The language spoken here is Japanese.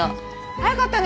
早かったね。